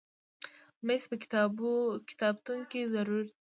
مېز په کتابتون کې ضرور وي.